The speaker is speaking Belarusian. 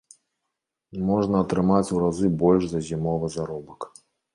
Можна атрымаць у разы больш за зімовы заробак.